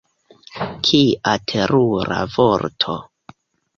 Kia terura vorto!